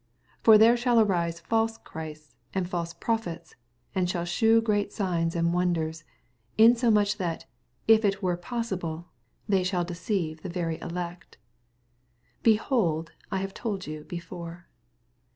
24 For there shall arise &lse Christs, and &lse prophets, and shall shew great si^ns and wonders ; insomuch that, if it were possible, they shall de ceive the very elect. 25 Behold, I have told you before.